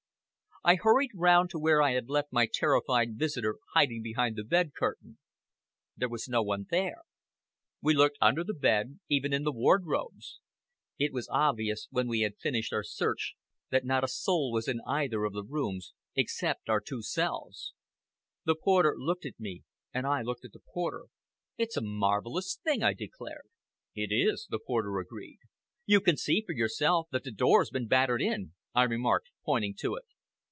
I hurried round to where I had left my terrified visitor hiding behind the bed curtain. There was no one there. We looked under the bed, even in the wardrobes. It was obvious, when we had finished our search, that not a soul was in either of the rooms except our two selves. The porter looked at me, and I looked at the porter. "It's a marvellous thing!" I declared. "It is," the porter agreed. "You can see for yourself that that door has been battered in," I remarked, pointing to it.